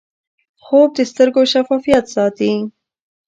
خوب د سترګو شفافیت ساتي